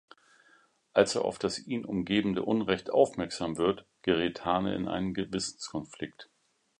Als er auf das ihn umgebende Unrecht aufmerksam wird, gerät Tane in einen Gewissenskonflikt.